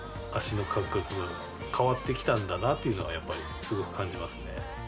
脚の感覚が変わってきたんだなというのはやっぱりスゴく感じますね